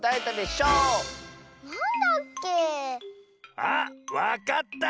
あっわかった！